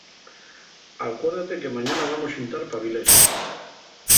Alcuérdate que mañana vamos xintar p'Avilés.